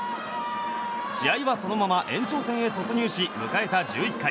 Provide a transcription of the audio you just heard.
試合はそのまま延長戦へ突入し迎えた１１回。